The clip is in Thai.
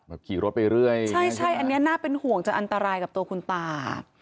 ขี่รถไปเรื่อยใช่ใช่อันนี้น่าเป็นห่วงจะอันตรายกับตัวคุณตา